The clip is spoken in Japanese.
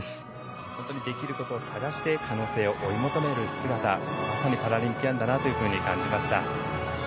本当にできることを探して可能性を追い求める姿まさにパラリンピアンだなと感じました。